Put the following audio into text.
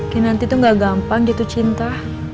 kinanti itu gak gampang gitu cinta